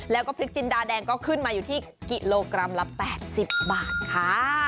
แล้วก็พริกจินดาแดงก็ขึ้นมาอยู่ที่กิโลกรัมละ๘๐บาทค่ะ